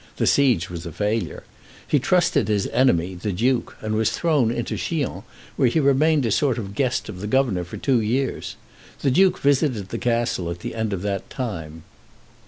The siege was a failure. He trusted his enemy, the duke, and was thrown into Chillon, where he remained a sort of guest of the governor for two years. The duke visited the castle at the end of that time.